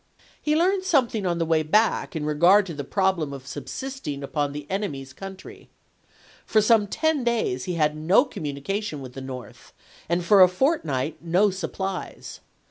He Badeau, learned something on the way back in regard to nSJy^f the problem of subsisting upon the enemy's coun try. For some ten days he had no communication with the North, and for a fortnight no supplies.